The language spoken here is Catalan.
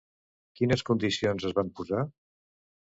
Quines condicions es van posar?